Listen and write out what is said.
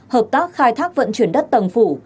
hợp tác khai thác vận chuyển đất tầng phủ